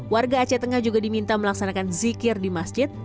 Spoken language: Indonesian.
warga aceh tengah juga diminta melaksanakan zikir di masjid